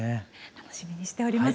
楽しみにしております。